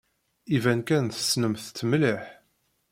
Iban kan tessnemt-tt mliḥ.